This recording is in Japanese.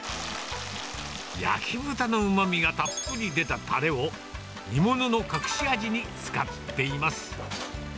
焼き豚のうまみがたっぷり出たたれを、煮物の隠し味に使っています。